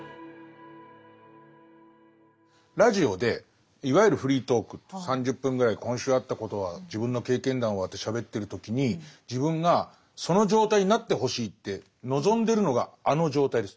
ラジオでいわゆるフリートークって３０分ぐらい今週あったことは自分の経験談はってしゃべってる時に自分がその状態になってほしいって望んでるのがあの状態です。